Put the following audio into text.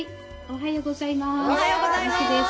おはようございます。